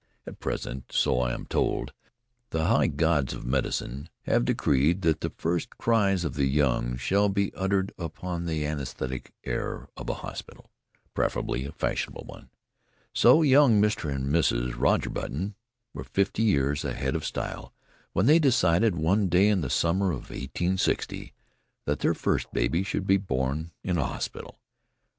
At present, so I am told, the high gods of medicine have decreed that the first cries of the young shall be uttered upon the anaesthetic air of a hospital, preferably a fashionable one. So young Mr. and Mrs. Roger Button were fifty years ahead of style when they decided, one day in the summer of 1860, that their first baby should be born in a hospital.